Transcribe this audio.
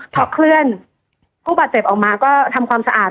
พอเคลื่อนผู้บาดเจ็บออกมาก็ทำความสะอาด